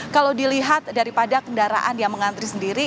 kalau dilihat daripada kendaraan yang mengantri sendiri